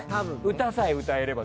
歌さえ歌えれば。